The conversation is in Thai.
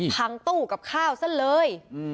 ตู้กับข้าวซะเลย